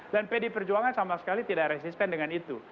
dan pd perjuangan sama sekali tidak resisten dengan itu